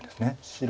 白。